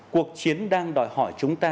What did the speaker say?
cuộc chiến đang đòi hỏi chúng ta